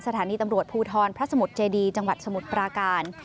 สถานีตำรวจภูทรพระสมุทรเจดีจังหวัดสมุทรปราการ